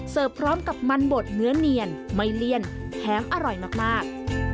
พร้อมกับมันบดเนื้อเนียนไม่เลี่ยนแถมอร่อยมาก